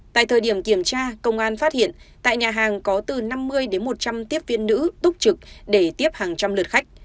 tại thời điểm kiểm tra công an phát hiện tại nhà hàng có từ năm mươi đến một trăm linh tiếp viên nữ túc trực để tiếp hàng trăm lượt khách